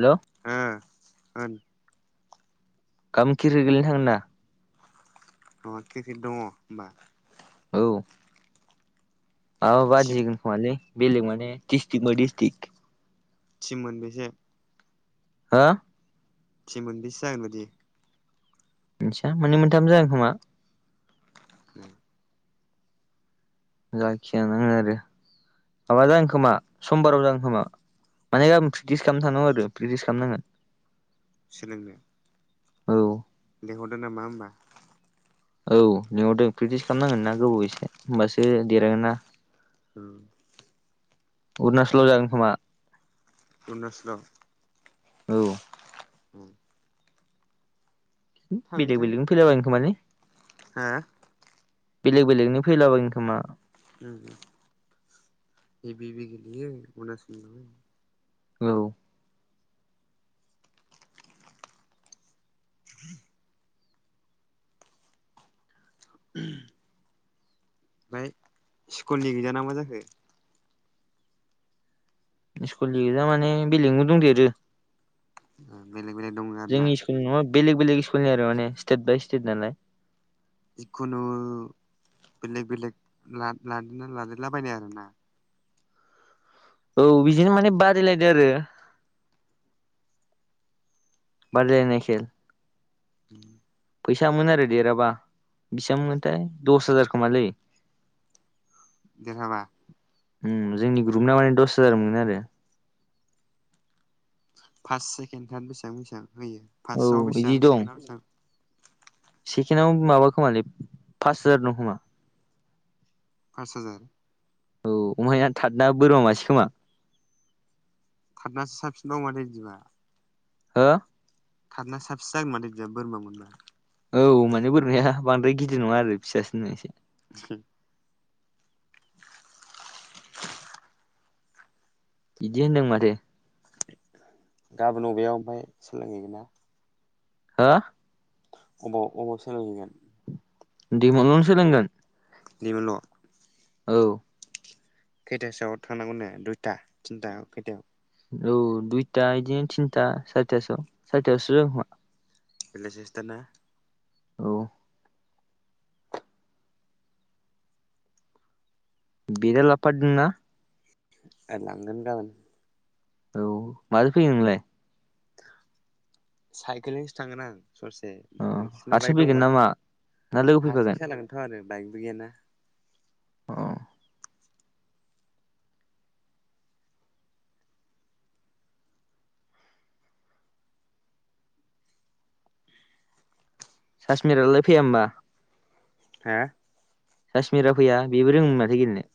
हेल' [inaudible] गामोन क्रिकेत गेलेनो थांगोन ना थाङा? अ क्रिकेट दङ' होनबा औ औ टिम बादिगोन खोमालै बेलेग माने दिसथिक बाय दिसथिक थिम मोन बेसे? हा थिम मोनबैसे जागोन बायदि? मिथिया मानै मोनथाम जागोन खोमा [inaudible] जाखियानाङो आरो माबा जागोन खोमा समबाराव जागोन खोमा। माने गाबोन प्रेकटिस खालामना थानांगौ आरो प्रेकटिस खालामनांगोन सोलोंनो औ लेंहरदों नामा होनबा? औ लेंहरदों प्रेक्टिस खालामनांगोन ना गोबाव एसे। होमबासो देरहागोन ना औ अरुणाचलाव जागोन खोमा अरुनाचलाव औ उम बेलेग बेलेगनो फैलाबायगोन खोमालै। हा बेलेग बेलेगनि फैलाबायखोमा उम उम हेबि हेबि गेलेयो उरनास'ल [unintelligible] औ [inaudible] [inaudible] ओमफ्राय स्कुलनि गैयाना मा जाखो? स्कुलनि गोजा माने बेलेगनि दंदेरो। बेलेग बेलेग दङो आरो ना जोंनि स्कुलनि नङा बेलेग बेलेग स्कुलनि आरो माने स्टेट बाय स्टेट नालाय जिखुनु बेलेग बेलेग ला-लादेरना लादेरलाबायनाय आरोना औ बिजोंनो माने बारायलायदो आरो बदायलायनाय खेल उम फैसामोन आरो देरहाबा बिसिबांमोनो थाय दस हाजारखोमालै देरहाबा? उम जोंनि ग्रुप ना माने दस हाजार मोनगोन आरो फास सेकेण्ड थाड बेसेबां बेसेबां होयो फार्स्टआव औ बिदि बेसेबां दं सेकेणडआव बेसेबां? सेकेणडआव माबा खोमालै पास हाजार दं खोमा फास हाजार औ ओमफ्राय थारना बोरमा मासे खोमा थार्ट नासो साबसिन बाव माथो बिदिबा हो थादना साबसिन जागोनथो बोरमा मोनबा औ माने बोरमाया बांद्राय गिदिर नङा आरो फिसासोनो एसे [inaudible] इदि होनदों माथो गाबोन अबेयाव ओमफ्राय सोलोंहैगोन ना हो अबाव अबाव सोलोंहैनो दैमालुनावनो सोलोंगोन दैमालुआव औ खैथासोआव थांनांगौनो दुइथा थिनथा खैथायाव औ दुइता इदिनो थिनता सारिथासो सारितासोआव जागोन खोमा बेलासिसोदा ना औ बेद आ लाबो फादो नोंना आं लांगोन गाबोन औ माजों फैगोन नोंलाय साइकेलजोंसो थांगोन आं ससे अ नोंसिनाव हारसिं बाइक फैगोन दंबा नामा ना लोगो फैफागोन? हारसिंसो जालांगोनथ' आरो बाइकबो गैयाना कासमिरलाय फैया होमबा हो काश्मिरा फैया बेबो रोङोमोन माथो गेलेनो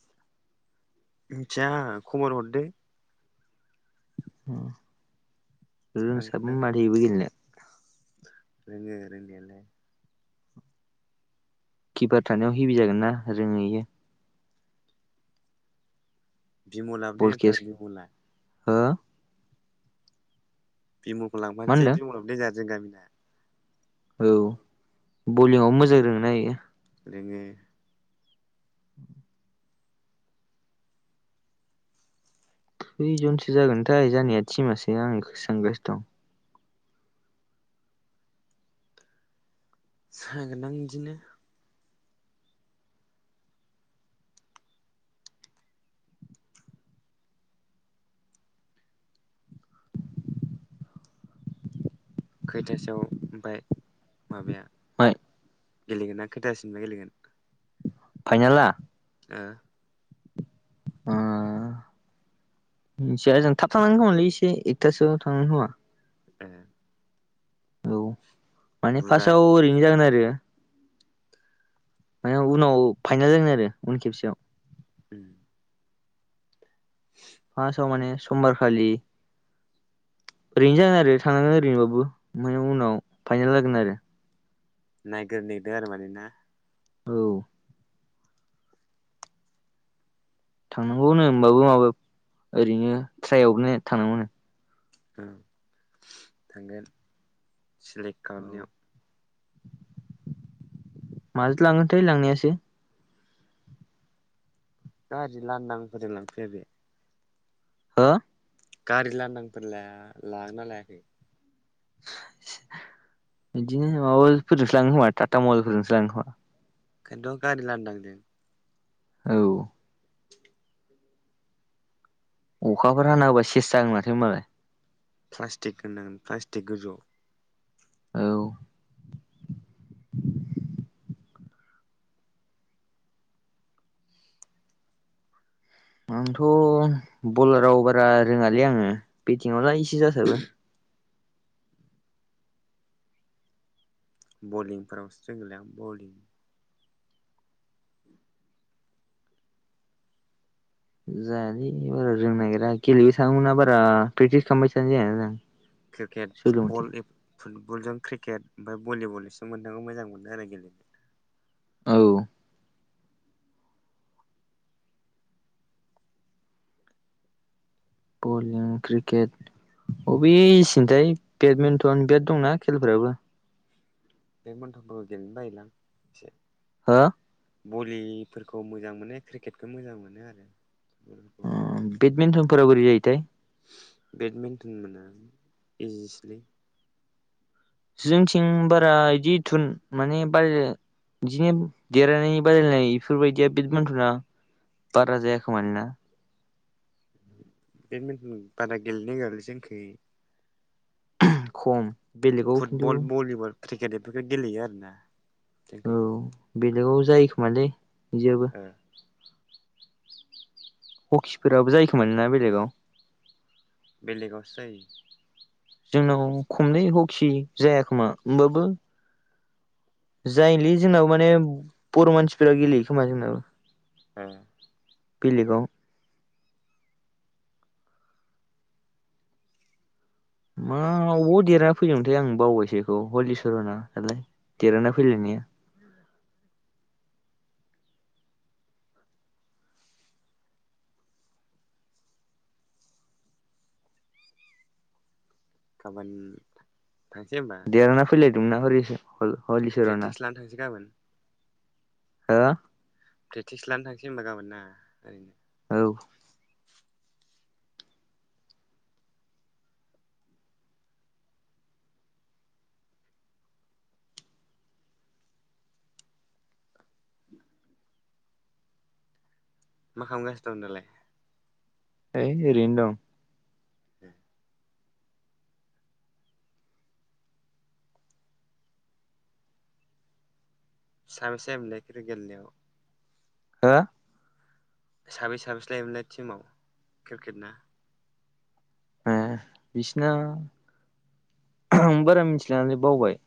मिथिया आं खबर हरदो रोंसाबो थांगोनदां माथो इबो गेलेनो रोङो रोंनायालाय किपार थानायाव हेभि जागोनना रोङो इयो बिमलाबो बल देथार केस बिमला हो बिमलखौ मा लांफानोसै होनदों बिमलाबो देनजार जों गामिना औ बलिंआव मोजां रोंना इयो रोङो [inaudible] खैजनसो जागोनथाय जानाया थिमासो आं इखौसो सानगासिनो दं जागोनदां बिदिनो खैथासोआव ओमफ्राय माबाया [unintelligible] गेलेगोन ना खोथासोनिफाय गेलेगोन फाइनाला ओ ओ मिथिया जों थाब थांनांगोन खोमलै एसे एकथासोआव थांनांगोन खोमा [unintelligible] औ माने बुरा फार्स्टआव ओरैनो जागोन आरो [unintelligible] उनाव फाइनाल जागोन आरो उन खेबसेयाव उम फार्स्टआव माने समबार खालि ओरैनो जागोन आरो थांनांगोन ओरैनोबाबो ओमफ्राय उनाव फाइनेल जागोन आरो नायगोरनो नागिरदों आरो माने ना औ थांनांगौनो होमबाबो माबायाव ओरैनो ट्रायावनो थांनांगौनो ओं थांगोन सिलेक्ट औ खालामनायाव माजो लांङोथाय लांनायासो गाज्रि लान्दांफोरजों लांफैया बे हो गारि लांदांफोर ला-लागोना लायाखै? बिदिनो माबाफोरजोंसो लाङो खोमा टाटा मबेलफोरजोंसो लाङो खोमा। ओंखायनथ' गारि लांदां जों। औ। अखाफोर हाना होबा सेस जागोन माथो होनबालाय प्लास्टिक खोबनांगोन प्लास्टिक गोजौआव औ आंथ' बलाराव बारा रोङालै आङो बेटिंआवलाय एसे जासाबो। बलिंफोरावसो रोंगोलै आं बलिं जायालै बारा रोंनोनागिरा गेलेबाय थानोमोना बारा प्रेक्टिस खालामबाय थानाय जायाना जों क्रिकेट सोलोंबाय फुटबल थाया एब फुटबलजों क्रिकेट ओमफ्राय भलिबल इसोर मोनथामखौ मोजां मोनो आरो गेलेनो। औ बलिं क्रिकेट अबेसेनथाय बेदमिन्टन बिराद दंना खेलफोराबो। बेटमेनटनखौ गेलेनो बायोलां एसे। हा? भलिफोरखौ मोजां मोनो क्रिकेटखौ मोजां मोनो आरो। फुटबलफोरखौ ओम बेदमिन्टनफोरा बोरै जायोथाय? थोन मोना इजिसोलै जोंनिथिं बारा बिदि थुन माने बार बिदिनो देरहानाय बादायनाय बेफोरबायदिया बेटमेन्ट'आ बाराजाया खोमालै ना? बेदमिन्ट'न बारा गेलेनो होआलै जोंखै [unintelligible] खम बेलेगाव खिन्थु फुटबल भलिबल क्रिकेट एफोरखौ गेलेयो आरोना जोंखै औ बेलेगाव जायोखोमालै बिदियाबो ओ ह'किफोराबो जायोखोमोलै ना बेलेगाव बेलेगावसो जायो। जोंनाव खमलै हकि जायाखोमा होमबाबो जायोलै जोंनाव माने बर' मानसिफोरा गेलेयो खोमा जोंनाबो ए बेलेगाव मावबो देरहाना फैदोंमोनथाय आं बावबायसो बिखौ हलिचरना दालाय देरहाना फैलायनाया गाबोन थांसै होमबा देरहाना फैलायदोंमोनना हरि-हल-हलिचरना प्रेक्टिस लानो थांसै गाबोन हा? प्रेकटिस लानो थांसै होमबा गाबो ना ओरैनो औ। मा खालामगासिनो दं दालाय? है ओरैनो दं। ह साबेसे जायामोनलाइ क्रिकेट गेलेनायाव हा? साबैसे साबैसे लायोमोनलाय टिमाव क्रिकेट ना? ए बिसिना [unintelligible] बारा मिथिलाय लाङालै बावबाय।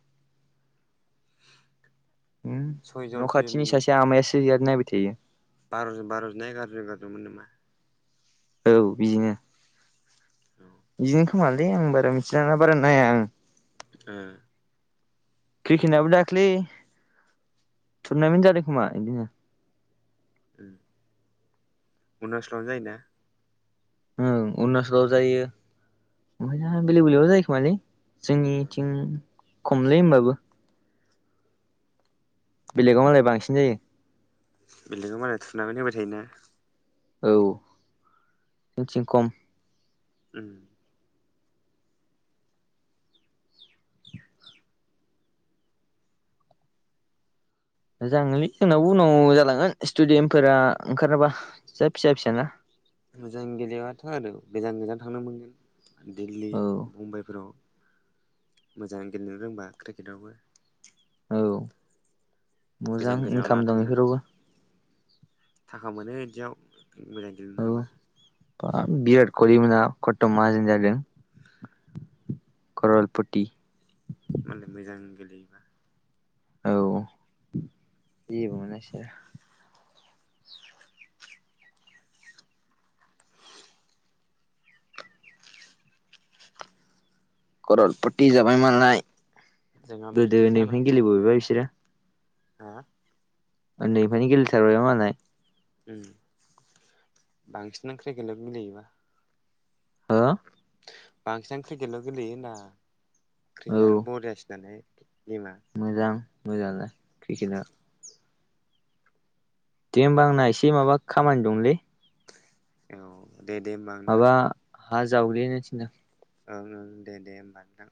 होम सयजन न' सयजन खाथिनि सासे आमायासो बिराद नायबाय थायो। बार'जन बार'जन ना एगारज'न एगारज'नमोन नामा औ बिदिनो। औ बिदिनो खोमालै आं बारा मिथिलाय लांआ बारा नाया आङो ओ क्रिकेटनाबो दाख्लै थुरनामेन्ट जादों खोमा इदिनो उम अरूणाचलाव जायोना ओं अरुणाचलाव जायो ओमफ्रायना बिलेग-बेलेगयाव जायोखोमालै ओ जोंनिथिं खमलै होमबाबो बेलेगाव मालाय बांसिन जायो। बिल्डिंखौ मालाय थुनानै होबाय थायोना औ उनथिं खम उम मोजाङोलै जोंनावबो उनाव जालांगोन स्टेडियामफोरा ओंखाराबा जा फिसा फिसा ना मोजां गेलेबाथ' आरो गोजान-गोजान थांनो मोनगोन दिल्ली औ मोजां गेलेनो रोंबा क्रिकेटावबो औ गोजान मोजां गोजानाव लाना इनकाम दं थांगोन इफोरावबो। थाखा मोनो इदियाव मोजाङै गेलेनो हाबा ओ बिराद कलिमोनना खत्थ' माहाजोन जादों कर'रपटि। मालाय मोजां गेलेयोबा। औ जेबो मोन [unintelligible] [unintelligible] कर'रपथि जाबाय मालाय जोंहा गोदो बिदि उन्दैनिफ्रायनो गेले जानांसिगोन बोबाय नालाय इसोरो हा ओन्दैनिफ्रायनो गेले थारबाय बा मालाय उम बांसिनानो क्रिकेटल' गेलेयोबा हो बांसिनानो क्रिकेटल' गेलेयो होनदां औ क्रिकेटानो बरियासिन नालाय गेमा मोजां मोजांआलाय क्रिकेट आ दे होमबा आंना एसे माबा खामानि दंलै औ दे दे होमबा नोंथां माबा हा जावग्लिनो थिन्दों ओं ओं दे दे होमबा नोंथां